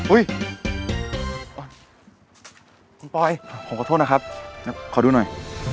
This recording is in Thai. คุณปอยผมขอโทษนะครับขอดูหน่อย